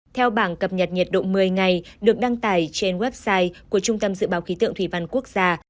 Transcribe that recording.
theo bảng cập nhật nhiệt độ một mươi ngày được đăng tải trên website của trung tâm dự báo khí tượng thủy văn quốc gia